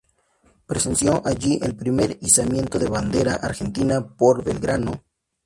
Presenció allí el primer izamiento de la Bandera Argentina por Belgrano.